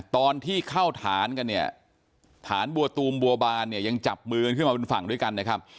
ตอนที่เข้าฐานกันฐานบัวตูมบัวบานยังจับมือกันขึ้นมาเป็นฝั่งด้วยกัน